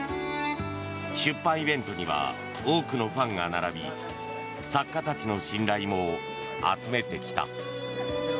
出版イベントには多くのファンが並び作家たちの信頼も集めてきた。